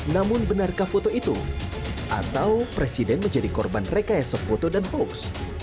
namun benarkah foto itu atau presiden menjadi korban rekayasa foto dan hoax